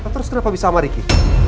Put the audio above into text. terus kenapa bisa sama ricky